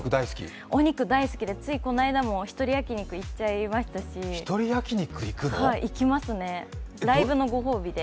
お肉大好きでついこの間も一人焼肉行っちゃいましたし、ライブのご褒美で。